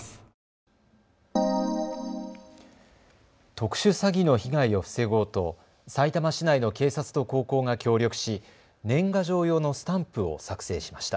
特殊詐欺の被害を防ごうとさいたま市内の警察と高校が協力し年賀状用のスタンプを作成しました。